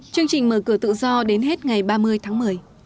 chương trình mở cửa tự do đến hết ngày ba mươi tháng một mươi